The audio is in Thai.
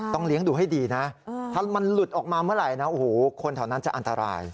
ต้องเลี้ยงดูให้ดีนะถ้ามันหลุดออกมาเมื่อไหร่คนเท่านั้นจะอันตราย